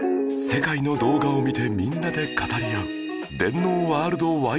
世界の動画を見てみんなで語り合う